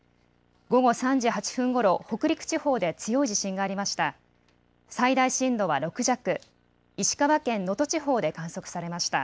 午後３時８分ごろ北陸地方で強い地震がありました。